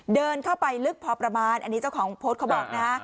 เดินเข้าไปลึกพอประมาณอันนี้เจ้าของโพสต์เขาบอกนะฮะ